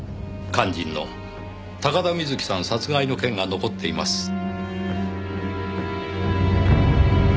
肝心の高田みずきさん殺害の件が残っています。